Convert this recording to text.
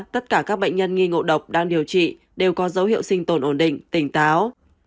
tất cả các bệnh nhân nghi ngộ độc đang điều trị đều có dấu hiệu sinh tồn ổn định tỉnh táo